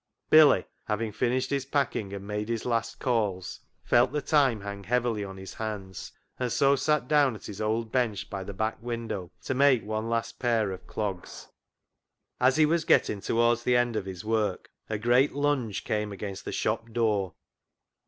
Billy, having finished his packing and made his last calls, felt the time hang heavily on his hands, and so sat down at his old bench by the back window to make one last pair of clogs. As he was getting towards the end of his work a great lunge came against the shop door.